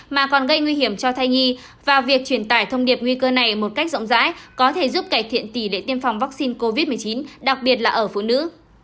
mà còn gây nguy hiểm cho thai nhi và việc truyền tải thông điệp nguy cơ này một cách rộng rãi có thể giúp cải thiện tỷ lệ tiêm phòng vaccine covid một mươi chín đặc biệt là ở phụ nữ